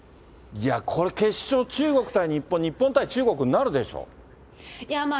これ、決勝、中国対日本、日本対中国になるでしょう。